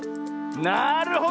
なるほど！